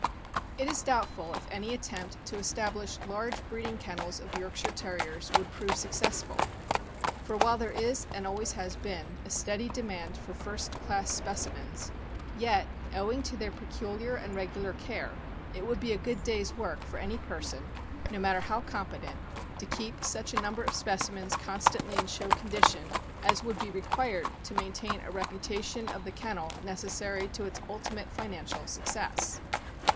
It is doubtful if any attempt to establish large breeding kennels of Yorkshire Terriers would prove successful; for while there is, and always has been, a steady demand for first class specimens, yet, owing to their peculiar and regu lar care, it would be a good day' s work for any person, no matter how competent, to keep such a number of specimens constantly in show condition as would be required to maintain a reputation of the kennel necessary to its ulti mate financial success.